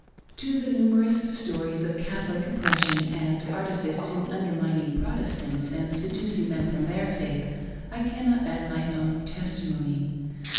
To the numerous stories of Catholic oppression and arti MY NEW POSITION. 35 fice in undermining Protestants and seducing them from their faith, I cannot add my own testimony.